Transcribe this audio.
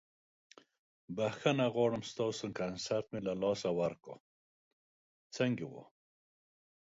بخښنه غواړم ستاسو کنسرت مې له لاسه ورکړ، څنګه وه؟